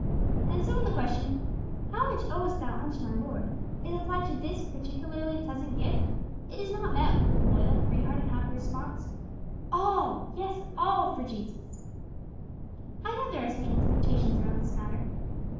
And so when the question, 'How much owest thou unto my Lord?' is applied to this particularly pleasant gift, it is not met with the loyal, free hearted, happy response, 'All! yes, all for Jesus!' I know there are special temptations around this matter.